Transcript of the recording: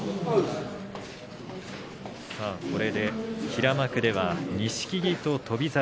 これで平幕では錦木と翔猿